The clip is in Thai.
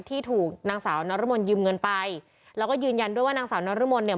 ที่ถูกนางสาวนรมนยืมเงินไปแล้วก็ยืนยันด้วยว่านางสาวนรมนเนี่ย